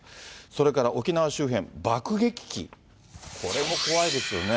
それから沖縄周辺、爆撃機、これも怖いですよね。